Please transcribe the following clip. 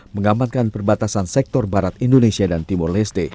mengamankan perbatasan sektor barat indonesia dan timur leste